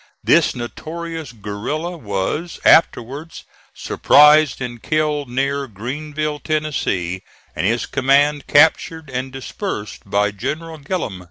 This notorious guerilla was afterwards surprised and killed near Greenville, Tennessee, and his command captured and dispersed by General Gillem.